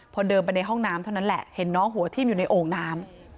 พอเดินไปในห้องน้ำเท่านั้นแหละเห็นน้องหัวทิ้มอยู่ในโอ่งน้ำ